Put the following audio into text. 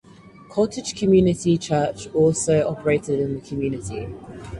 Cottage Community Church also operated in the community.